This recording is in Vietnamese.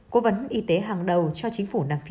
cố vấn y tế hàng đầu cho chính phủ nam phi